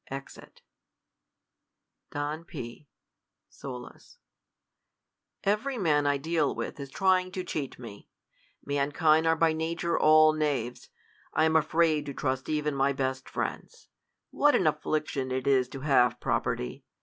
[Exit, Don P. [Solus,'] Every man I deal with is trying to cheat me. Mankind are by nature all knaves. I am afraid to trust even my best friends. What an af fliction it is to have property